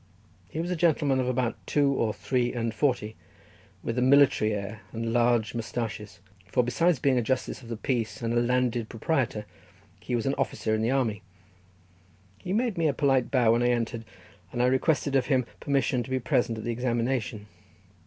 He was a gentleman of about two or three and forty, with a military air and large moustaches, for besides being a justice of the peace, and a landed proprietor, he was an officer in the army. He made me a polite bow when I entered, and I requested of him permission to be present at the examination.